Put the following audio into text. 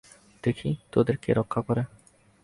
দেখি তোদের কে রক্ষা করে।